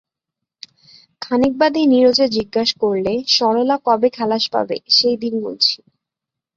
খানিক বাদে নীরজা জিজ্ঞাসা করলে, সরলা কবে খালাস পাবে সেই দিন গুণছি।